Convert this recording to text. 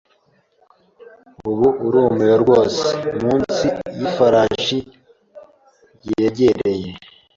ubu urumiwe rwose, munsi yifarashi yegereye.